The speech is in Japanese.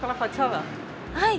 はい。